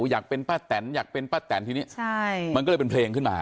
อยากเป็นป้าแตนอยากเป็นป้าแตนทีนี้มันก็เลยเป็นเพลงขึ้นมา